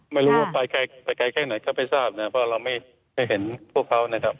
ไม่รู้ว่าไปไกลแค่ไหนก็ไม่ทราบนะเพราะเราไม่ได้เห็นพวกเขานะครับ